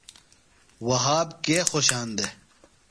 وھاب کے خوشان دےۡ؟